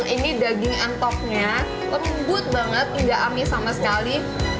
ini daging entoknya lembut banget tidak amis sama sekali